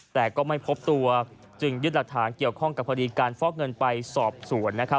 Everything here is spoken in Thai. แต่ก็ไม่พบตัวจึงยึดหลักฐานเกี่ยวข้องกับคดีการฟอกเงินไปสอบสวน